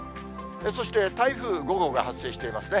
そして、台風５号が発生していますね。